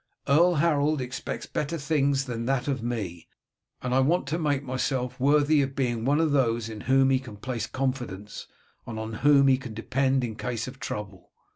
Earl Harold expects better things than that of me, and I want to make myself worthy of being one of those in whom he can place confidence and on whom he can depend in case of trouble.